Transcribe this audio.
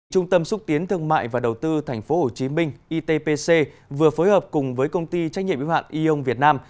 trung tâm xúc tiến thương mại và đầu tư tp hcm itpc vừa phối hợp cùng với công ty trách nhiệm yếu hạn eon việt nam